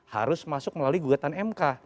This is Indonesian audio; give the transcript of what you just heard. harus masuk melalui gugatan mk